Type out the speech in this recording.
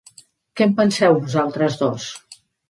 Què en penseu, vosaltres dos?